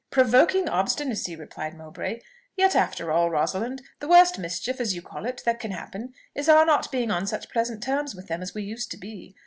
"Provoking obstinacy!" replied Mowbray: "yet after all, Rosalind, the worst mischief, as you call it, that can happen, is our not being on such pleasant terms with them as we used to be.